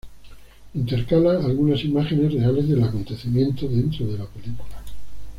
Intercala algunas imágenes reales del acontecimiento dentro de la película.